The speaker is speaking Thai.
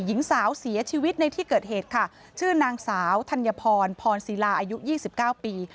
หญิงสาวเสียชีวิตในที่เกิดเหตุค่ะชื่อนางสาวธัญพรพรศิลาอายุ๒๙ปี